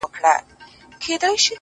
گراني فريادي دي بـېــگـــاه وويل؛